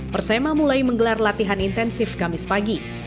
persema mulai menggelar latihan intensif kamis pagi